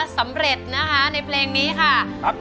สำเร็จนะคะในเพลงนี้ค่ะ